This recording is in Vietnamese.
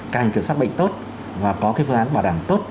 càng kiểm soát bệnh tốt và có cái phương án bảo đảm tốt